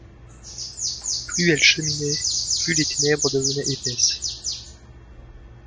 Plus elle cheminait, plus les ténèbres devenaient épaisses.